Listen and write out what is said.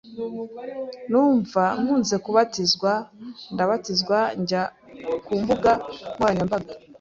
numva nkunze kubatizwa, ndabatizwa njya ku mbuga nkoranyambaga